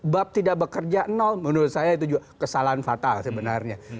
bab tidak bekerja nol menurut saya itu juga kesalahan fatal sebenarnya